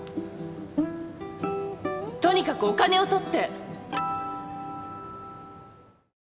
とにかくお金を取って！